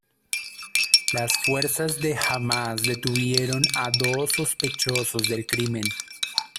Las Fuerzas de Hamas detuvieron a dos sospechosos del crimen.